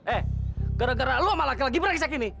eh gara gara lu sama laki laki berengsek ini